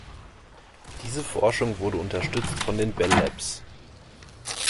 Diese Forschung wurde unterstützt von den Bell Labs.